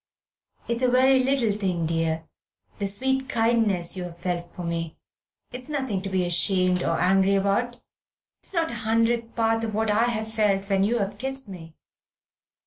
It's a very little thing, dear, the sweet kindness you've felt for me. It's nothing to be ashamed or angry about. It's not a hundredth part of what I have felt when you have kissed me.